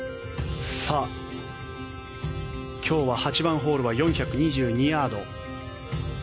今日は８番ホールは４２２ヤード。